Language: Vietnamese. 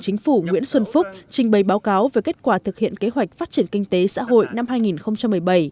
chính phủ nguyễn xuân phúc trình bày báo cáo về kết quả thực hiện kế hoạch phát triển kinh tế xã hội năm hai nghìn một mươi bảy